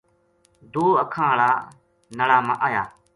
دو اکھاں ہالا نلا ما آیا